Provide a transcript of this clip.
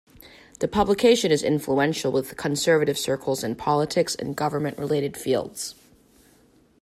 The publication is influential with conservative circles in politics and government-related fields.